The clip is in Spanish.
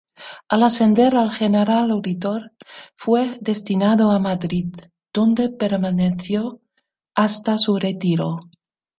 Al ascender a General Auditor fue destinado a Madrid, donde permaneció hasta su retiro.